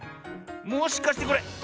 もしかしてこれ。